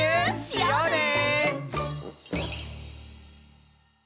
しようね！